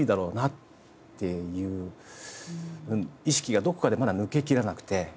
がどこかでまだ抜けきらなくて。